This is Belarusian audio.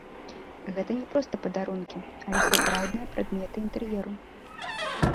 Гэта не проста падарункі, але сапраўдныя прадметы інтэр'еру!